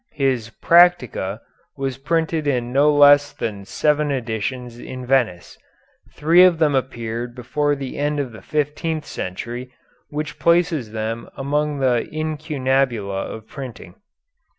His "Practica" was printed in no less than seven editions in Venice. Three of them appeared before the end of the fifteenth century, which places them among the incunabula of printing.